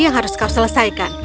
yang harus kau selesaikan